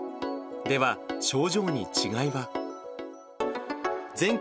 では、症状に違いは。